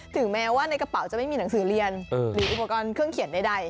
ถึงแม้ว่าในกระเป๋าจะไม่มีหนังสือเรียนหรืออุปกรณ์เครื่องเขียนใด